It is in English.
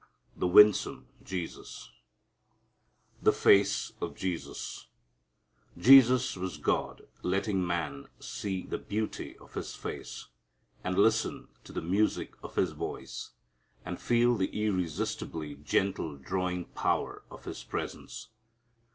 The Winsome Jesus The Face of Jesus Jesus was God letting man see the beauty of His face and listen to the music of His voice, and feel the irresistibly gentle drawing power of His presence.